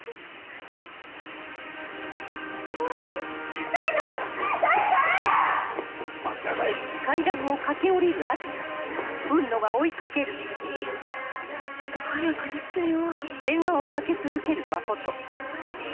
ハァちょっと早く出てよ。